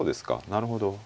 なるほど。